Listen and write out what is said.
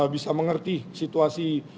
bisa mengerti situasi